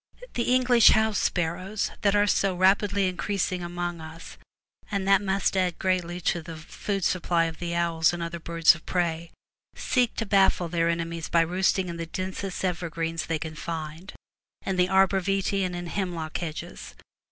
The English house sparrows, that are so rapidly increasing among us, and that must add greatly to the food supply of the owls and other birds of prey, seek to baffle their enemies by roost ing in the densest evergreens they can find, in the arbor vitse, and in hemlock hedges.